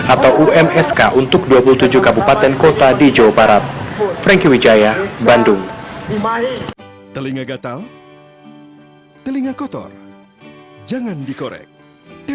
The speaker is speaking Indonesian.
atau umsk untuk dua puluh tujuh kabupaten kota di jawa barat